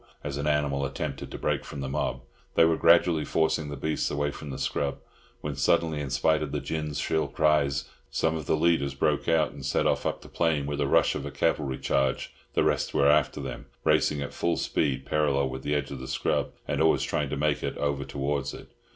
as an animal attempted to break from the mob. They were gradually forcing the beasts away from the scrub, when suddenly, in spite of the gins' shrill cries, some of the leaders broke out and set off up the plain; with the rush of a cavalry charge the rest were after them, racing at full speed parallel with the edge of the scrub, and always trying to make over towards it.